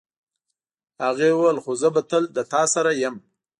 هغې وویل خو زه به تل له تا سره یم.